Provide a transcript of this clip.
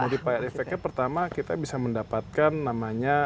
multiplier effectnya pertama kita bisa mendapatkan namanya